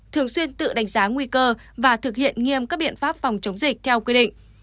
thường xuyên tự đánh giá nguy cơ và thực hiện nghiêm các biện pháp phòng chống dịch theo quy định